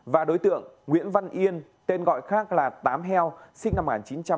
và đối tượng nguyễn văn yên tên gọi khác là tám heo sinh năm một nghìn chín trăm tám mươi